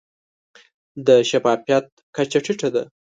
د شفافیت کچه ټیټه ده.